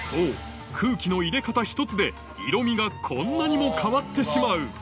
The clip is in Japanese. そう、空気の入れ方一つで色味がこんなにも変わってしまう。